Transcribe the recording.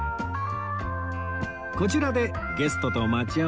こちらでゲストと待ち合わせなんですよね？